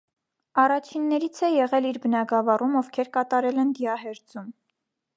Առաջիններից է եղել իր բնագավառում, ովքեր կատարել են դիահերձում։